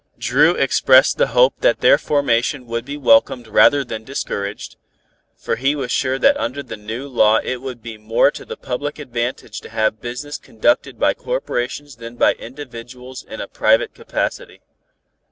Dru expressed the hope that their formation would be welcomed rather than discouraged, for he was sure that under the new law it would be more to the public advantage to have business conducted by corporations than by individuals in a private capacity.